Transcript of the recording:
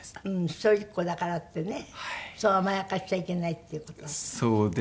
一人っ子だからってねそう甘やかしちゃいけないっていう事だったのかしら。